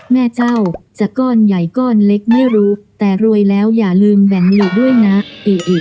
แม่เจ้าจะก้อนใหญ่ก้อนเล็กไม่รู้แต่รวยแล้วอย่าลืมแบ่งหลีกด้วยนะเออิ